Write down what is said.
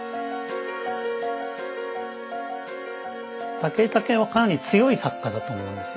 武井武雄はかなり強い作家だと思うんですよ。